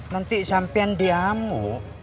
nanti sampen diamu